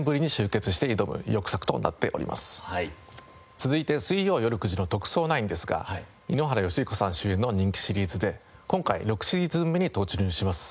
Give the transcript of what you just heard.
続いて水曜よる９時の『特捜９』ですが井ノ原快彦さん主演の人気シリーズで今回６シーズン目に突入します。